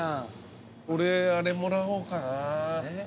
俺あれもらおうかな。